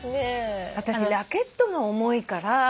私ラケットが重いから。